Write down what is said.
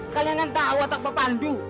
kalian kan tahu atap bapak pandu